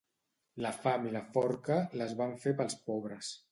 La fam i la forca, les van fer pels pobres.